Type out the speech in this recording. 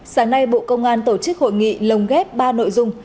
sáng nay bộ công an tổ chức hội nghị lồng ghép ba nội dung